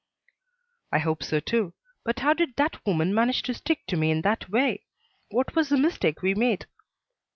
"I hope so too. But how did that woman manage to stick to me in that way? What was the mistake we made?"